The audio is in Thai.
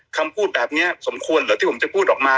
คำพูดแบบนี้สมควรเหรอที่ผมจะพูดออกมา